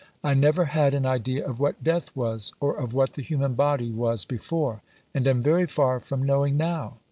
I never had an idea of what death was, or of what the human body was before, and am very far from knowing now.